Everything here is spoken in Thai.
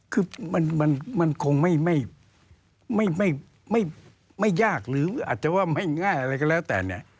คือมันคงไม่ยากหรืออาจจะว่าไม่ง่ายอะไรก็แล้วแต่เนี่ย